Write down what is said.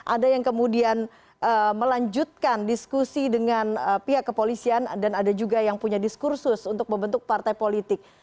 ada yang kemudian melanjutkan diskusi dengan pihak kepolisian dan ada juga yang punya diskursus untuk membentuk partai politik